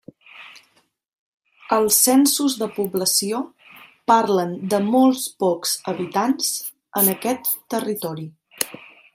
Els censos de població parlen de molt pocs habitants en aquest territori.